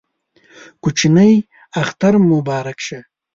کوچینۍ اختر مو مبارک شه